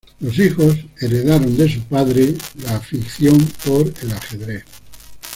Sus hijos heredaron del su padre su afición por el ajedrez.